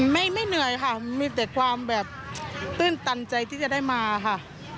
ไม่เหนื่อยค่ะมีแต่ความแบบตื้นตันใจที่จะได้มาค่ะ